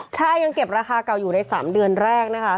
ใช่ยังเก็บราคาเก่าอยู่ใน๓เดือนแรกนะคะ